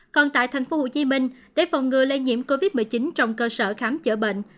còn tại thành phố hồ chí minh để phòng ngừa lây nhiễm covid một mươi chín trong cơ sở khám chở bệnh